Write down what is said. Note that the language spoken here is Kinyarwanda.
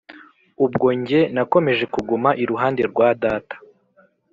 ubwo njye nakomeje kuguma iruhande rwa data,